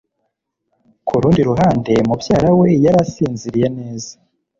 kurundi ruhande, mubyara we yari asinziriye neza